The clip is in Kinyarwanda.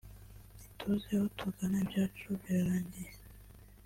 ntituzi aho tugana ibyacu birarangiye